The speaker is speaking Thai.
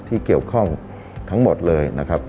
ที่เกี่ยวข้องทั้งหมดเลยนะครับ